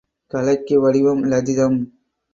கலைக்கு வடிவம் லளிதம்.